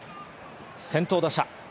先頭打者。